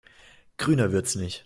Grüner wird's nicht.